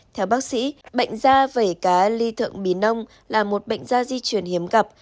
theo bác sĩ bệnh da vẩy cá ly thượng bì nông là một bệnh da di truyền hiếm gặp